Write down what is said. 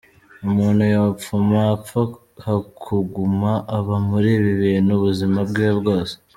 Umuntu yopfuma apfa hakuguma aba muri ibi bintu ubuzima bwiwe bwose.